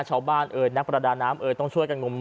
ชาวบ้านเอิญนักประดาน้ำเอิญต้องช่วยการ